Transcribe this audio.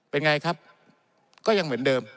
เป็นไงครับก็ยังเหมือนเดิม